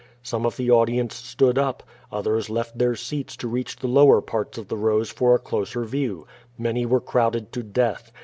Some of the audience stood up, others left their seats to reach the lower parts of the rows for a closer view. Many were crowded to death.